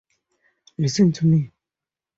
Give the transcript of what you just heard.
Listen to me!